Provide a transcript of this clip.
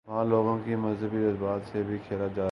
وہاں لوگوں کے مذہبی جذبات سے بھی کھیلاجا رہا ہے۔